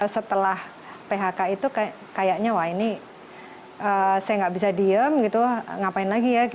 setelah phk itu kayaknya wah ini saya nggak bisa diem gitu ngapain lagi ya